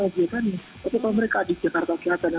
tapi kalau mereka di jakarta kiranya